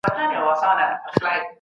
فیصلې باید د حق پر بنسټ وسي.